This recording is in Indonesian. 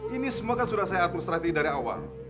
ini semua kan sudah saya atur strategi dari awal